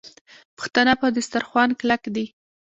پښتانه پر دسترخوان کلک دي.